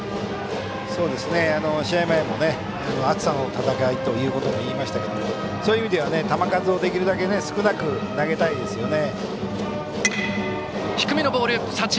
試合前も暑さも闘いということを言いましたけどそういう意味では球数をできるだけ少なく投げたいですね。